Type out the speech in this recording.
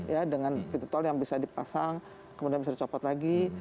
ya dengan pintu tol yang bisa dipasang kemudian bisa dicopot lagi